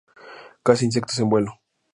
Caza insectos en vuelo.